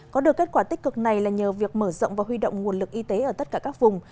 có được kết quả tích cực này là nhờ việc mở rộng và huy động nguồn lực y tế ở tất cả các vùng